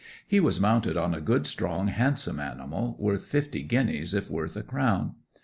He was mounted on a good strong handsome animal, worth fifty guineas if worth a crown.